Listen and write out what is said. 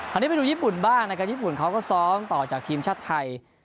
อันนี้ไปดูญี่ปุ่นบ้างนะครับญี่ปุ่นเขาก็ซ้อมต่อจากทีมชาติไทย